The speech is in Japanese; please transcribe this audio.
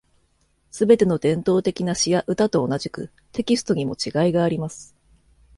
すべての伝統的な詩や歌と同じく、テキストにも違いがあります。